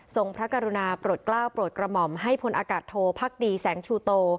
พระกรุณาโปรดกล้าวโปรดกระหม่อมให้พลอากาศโทพักดีแสงชูโต